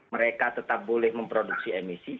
mereka tetap boleh memproduksi emisi